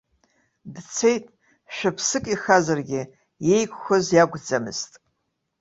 Дцеит, шәыԥсык ихазаргьы, иеиқәхоз иакәӡамызт.